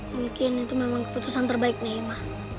mungkin itu memang keputusan terbaik neima